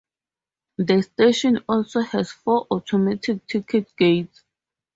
The station also has four automatic ticket gates.